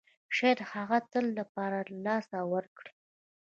شاید هغه د تل لپاره له لاسه ورکړئ.